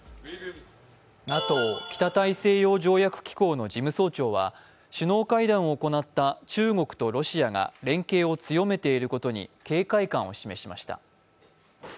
ＮＡＴＯ＝北大西洋条約機構の事務総長は、首脳会談を行った中国とロシアが連携を強めていることに警戒感を示しました。